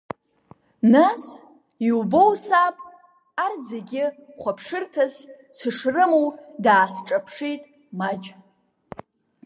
Нас, иубоу саб, арҭ зегьы хәаԥшырҭас сышрымоу даасҿаԥшит Маџь.